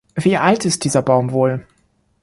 Wie alt ist dieser Baum wohl?